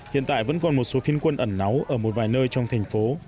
hiện tại vẫn còn một số thiên quân ẩn náu ở một vài nơi trong thành phố